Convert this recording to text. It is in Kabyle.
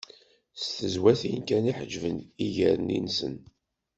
S tezwatin kan i d-ḥeǧben iger-nni-nsen.